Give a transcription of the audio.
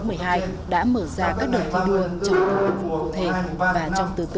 đã mở ra các đợt thi đua trong cuộc hội thề và trong tư tưởng của từng cán bộ đảng viên của đồng viên